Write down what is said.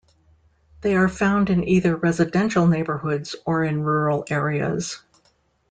They are found in either residential neighborhoods or in rural areas.